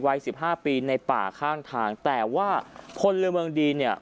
สิบห้าปีในป่าข้างทางแต่ว่าพลเมืองดีเนี่ย